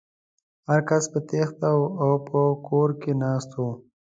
هر کس په تېښته و او په کور کې ناست و.